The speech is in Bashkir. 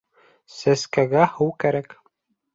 — Сәскәгә һыу кәрәк.